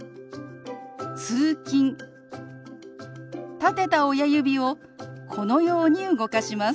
立てた親指をこのように動かします。